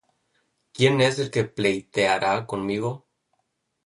¿Quién es el que pleiteará conmigo?